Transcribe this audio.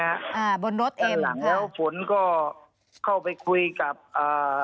น่ะอ่ะบนนสเอ็มอ่าหลังแล้วฝนก็เข้าไปคุยกับอ่า